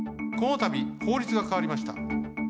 このたび法律がかわりました。